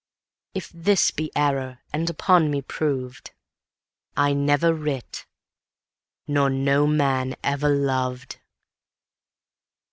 If this be error and upon me prov'd, I never writ, nor no man ever lov'd.